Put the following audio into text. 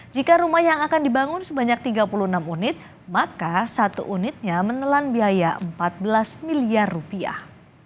jika rumah yang akan dibangun sebanyak tiga puluh enam unit maka satu unitnya menelan biaya empat belas miliar rupiah